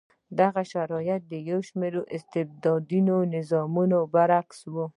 دغه شرایط د یو شمېر استبدادي نظامونو برعکس و.